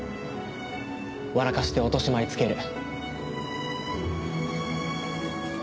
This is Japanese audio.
笑かして落とし前つける。